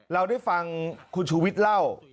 เราได้ฟังคุณชูวิทย์เล่า